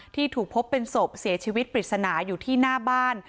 ที่ถูกพบเป็นศพเสียชีวิตปริศนาอยู่ที่หน้าบ้าน